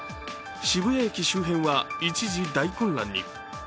渋谷駅周辺は一時、大混乱に。